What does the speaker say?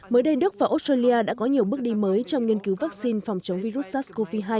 mới đây đức và australia đã có nhiều bước đi mới trong nghiên cứu vaccine phòng chống virus sars cov hai